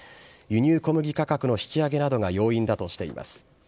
輸入小麦価格の引き上げなどが要因だとしています。